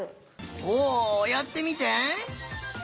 おやってみて。